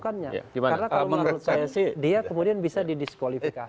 karena menurut saya dia kemudian bisa didiskualifikasi